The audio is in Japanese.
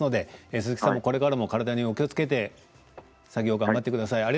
鈴木さんも体に気をつけて作業を頑張ってください。